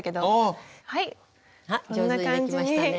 上手にできましたね。